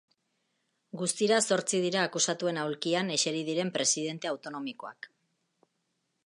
Guztira, zortzi dira akusatuen aulkian eseri diren presidente autonomikoak.